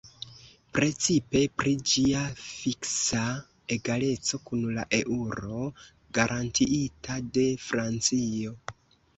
Precipe pri ĝia fiksa egaleco kun la eŭro garantiita de Francio.